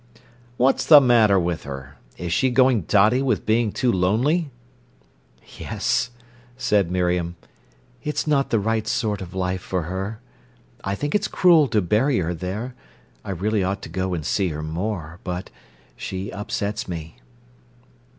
"What's a matter with her? Is she going dotty with being too lonely?" "Yes," said Miriam. "It's not the right sort of life for her. I think it's cruel to bury her there. I really ought to go and see her more. But—she upsets me."